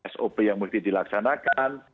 sop yang mesti dilaksanakan